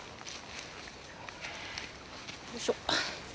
よいしょ。